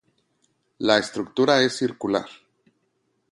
La estructura es circular.